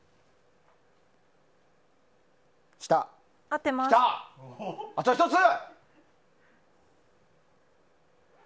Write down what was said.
あと１つ！